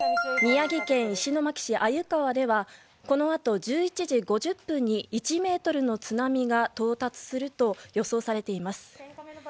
宮城県石巻市鮎川ではこのあと、１１時５０分に１ｍの津波が到達すると予想されています。